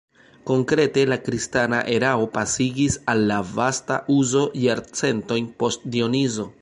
Konkrete la kristana erao pasigis al la vasta uzo jarcentojn post Dionizo.